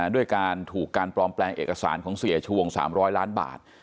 ด้วยการถูกการปลอมแปลงเอกสารของเสียชวง๓๐๐ล้านบาท